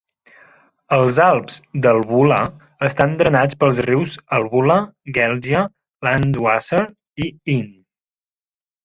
Els Alps d'Albula estan drenats pels rius Albula, Gelgia, Landwasser i Inn.